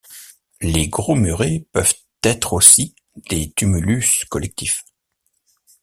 Les gros murets peuvent être aussi des tumulus collectifs.